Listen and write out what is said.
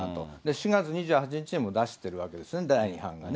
４月２８日にも出してるわけですね、第２版のね。